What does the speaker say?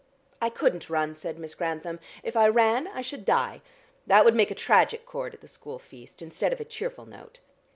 "I couldn't run," said Miss Grantham. "If I ran, I should die. That would make a tragic chord at the school feast, instead of a cheerful note."